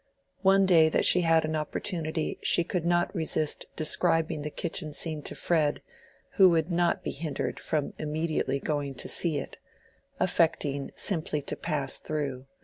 One day that she had an opportunity she could not resist describing the kitchen scene to Fred, who would not be hindered from immediately going to see it, affecting simply to pass through.